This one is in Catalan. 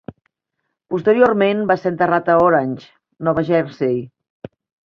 Posteriorment va ser enterrat a Orange, Nova Jersey.